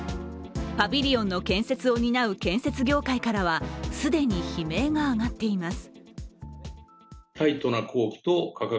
パビリオンの建設を担う建設業界からは、既に悲鳴が上がっています。